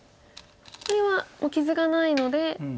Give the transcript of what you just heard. これはもう傷がないので。